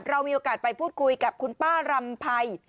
เรามีโอกาสไปพูดคุยกับคุณป้ารำไพร